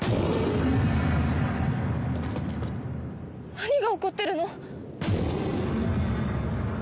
何が起こってるの！？